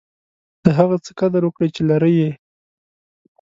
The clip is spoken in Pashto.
د هغه څه قدر وکړئ، چي لرى يې.